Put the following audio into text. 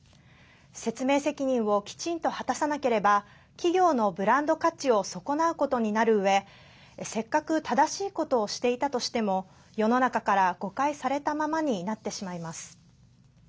説明責任をきちんと果たさなければ企業のブランド価値を損なうことになるうえせっかく正しいことをしていたとしても世の中から誤解されたままになってしまいます。